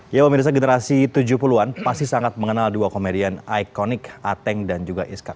ya pemirsa generasi tujuh puluh an pasti sangat mengenal dua komedian ikonik ateng dan juga iska